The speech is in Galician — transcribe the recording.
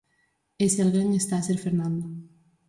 Ese alguén está a ser Fernando.